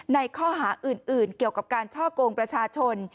ในข้อหาอื่นเกี่ยวกับการช่อกงประชาชน